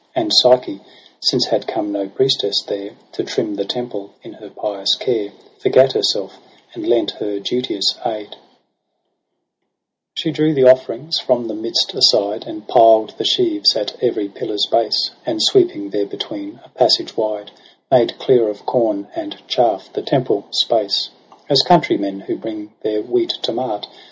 And Psyche, since had come no priestess there To trim the temple, in her pious care Forgat herself, and lent her duteous aid. OCTOBER i6i 9 She drew the offerings from the midst aside. And piled the sheaves at every pillar's base j And sweeping therebetween a passage wide, Made clear of corn and chafF the temple space : As countrymen who bring their wheat to mart.